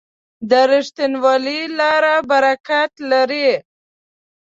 د رښتینولۍ لار برکت لري.